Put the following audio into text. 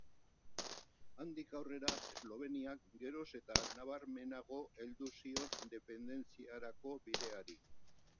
Handik aurrera, Esloveniak geroz eta nabarmenago heldu zion independentziarako bideari.